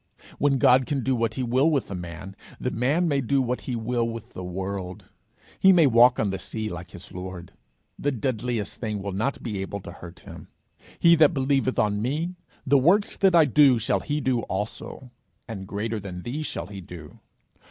When God can do what he will with a man, the man may do what he will with the world; he may walk on the sea like his Lord; the deadliest thing will not be able to hurt him: 'He that believeth on me, the works that I do shall he do also; and greater than these shall he do.'